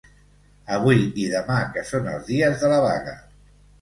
Avui i demà que son els dies de la vaga.